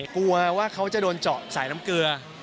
กลัวว่าเขาจะโดนเจาะสายน้ำเกลือ